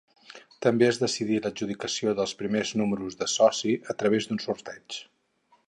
També es decidí l'adjudicació dels primers números de soci a través d'un sorteig.